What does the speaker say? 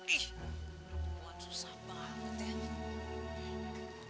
ih waduh susah banget ya